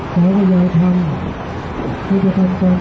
ที่เกี่ยวข้างกับทิ้งอยู่ข้างหนึ่ง